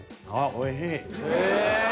「おいしい」。